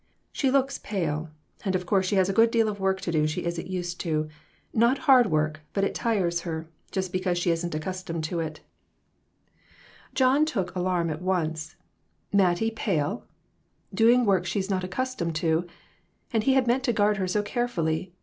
She looks pale, and of course she has to do a good deal of work she isn't used to; not hard work, but it tires her, just because she isn't accustomed to it." 122 RECONCILIATIONS. John took the alarm at once. "Mattie pale!" "Doing work she was not accustomed to !" And he had meant to guard her so carefully.